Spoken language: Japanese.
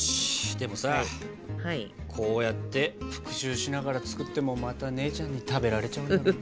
でもさこうやって復習しながら作ってもまた姉ちゃんに食べられちゃうんだろうなあ。